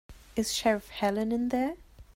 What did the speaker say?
Is Sheriff Helen in there?